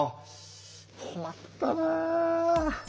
こまったなぁ。